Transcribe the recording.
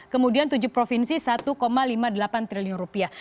kemudian tujuh provinsi satu lima puluh delapan triliun rupiah